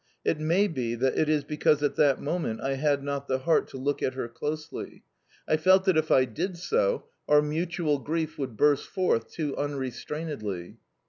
It may be that it is because at that moment I had not the heart to look at her closely. I felt that if I did so our mutual grief would burst forth too unrestrainedly.